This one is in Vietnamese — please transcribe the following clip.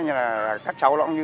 có vẻ mách bố mẹ